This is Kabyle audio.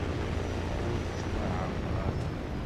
Ur d-ttwaɛerḍeɣ ara.